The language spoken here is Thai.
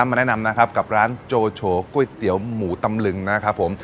มาแนะนำนะครับกับร้านโจโฉก๋วยเตี๋ยวหมูตำลึงนะครับผม